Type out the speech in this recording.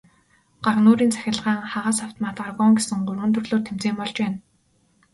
Гагнуурын цахилгаан, хагас автомат, аргон гэсэн гурван төрлөөр тэмцээн болж байна.